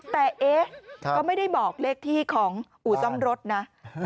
แต่เอ๊ะก็ไม่ได้บอกเลขที่ของอู่ซ่อมรถนะ